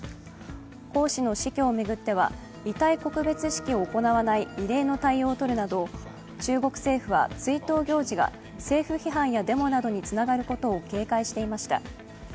江氏の死去を行っては遺体告別式を行わない異例の対応をとるなど中国政府は追悼行事が政府批判やデモなどにつながることを警戒していました。